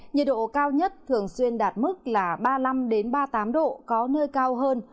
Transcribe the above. nhiệt độ cao nhất thường xuyên đạt mức là ba mươi năm ba mươi tám độ có nơi cao hơn